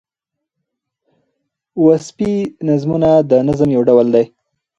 وصفي نظمونه د نظم یو ډول دﺉ.